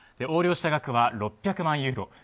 横領した額は６００万ユーロ。